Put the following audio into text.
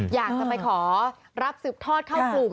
อยากจะไปขอรับสืบทอดเข้ากลุ่ม